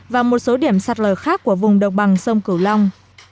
và một số điểm sạt lở khác của vùng độc bằng sông cửu long